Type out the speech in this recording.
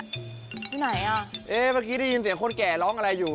ที่ไหนอ่ะเอ๊ะเมื่อกี้ได้ยินเสียงคนแก่ร้องอะไรอยู่